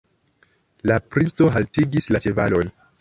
La princo haltigis la ĉevalon.